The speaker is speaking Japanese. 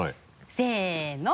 せの。